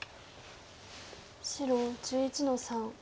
白１１の三。